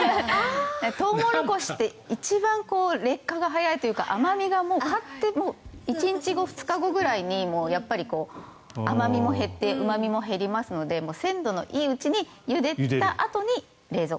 トウモロコシって一番劣化が早いというか甘味がもう買って１日後、２日後くらいにもう甘味も減ってうま味も減りますので鮮度のいいうちにゆでたあとに冷蔵。